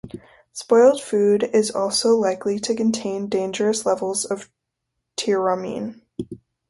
Spoiled food is also likely to contain dangerous levels of tyramine.